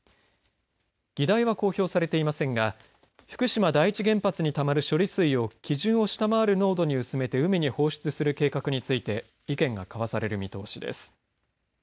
議題は公表されていませんが福島第一原発にたまる処理水を基準を下回る濃度に薄めて海に放出する計画について意見が交わされる見通しです。